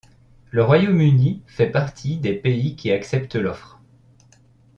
Le Royaume-Uni fait partie des pays qui acceptent l'offre.